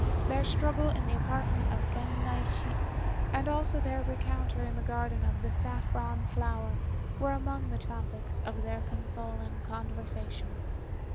Their struggle in the apartment of Gen naishi, and also their rencontre in the garden of the "Saffron Flower," were among the topics of their consoling conversation.